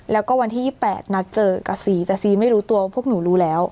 แล้วก็วันที่๒๘นัดเจอกับซีแต่ซีไม่รู้ตัวพวกหนูรู้แล้ว